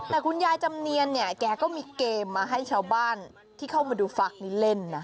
แต่คุณยายจำเนียนเนี่ยแกก็มีเกมมาให้ชาวบ้านที่เข้ามาดูฟักนี้เล่นนะ